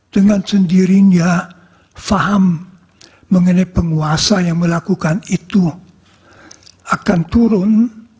dengan sendirinya faham mengenai penguasa yang melakukan itu akan turun